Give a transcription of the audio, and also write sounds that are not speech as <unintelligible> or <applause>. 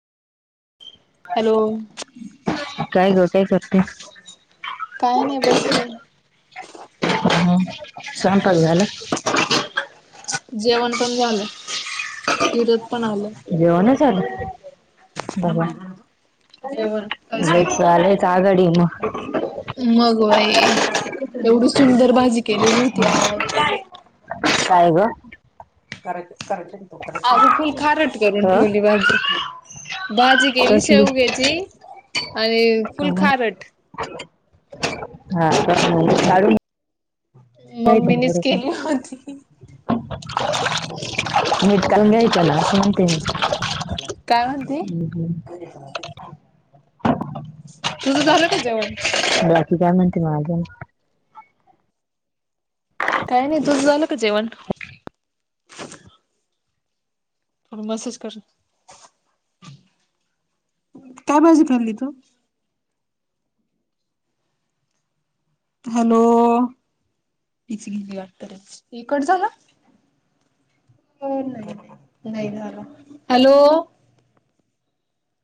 Hello काय ग काय करते? काय नाही बसले. हम्म स्वयंपाक झाला. जेवण पण झालं जिरत पण आलं. जेवण ही झालं बघा जेवण काय लय स्वयंपाक चालु चागडी मग मग बाई एवढी सुंदर भाजी केलेली होती आज. काय ग? कराटे कराटे अगं फुल खारट करून अ ठेवली भाजी भाजी केेली कसली? शेवग्या ची आणि फुल खारट. हा <unintelligible> ना मम्मीनीच थोडस. केली होती. मीठ काढून जाऊदे घ्यायचं ना असं म्हणते मी. काय म्हणती? हम्म हम्म. तुझं झालं का जेवण? बाकी काय म्हणते मग अजून? काही नाही तूस झाल का जेवण? मेसेज कर काय भाजी खाल्ली तू? हॅलो इकडचं न. नाही झाला हॅलो.